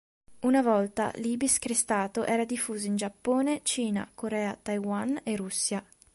Una volta, l'ibis crestato era diffuso in Giappone, Cina, Corea, Taiwan e Russia.